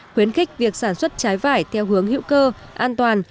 khuyến khích việc sản xuất trái vải theo hướng hữu cơ an toàn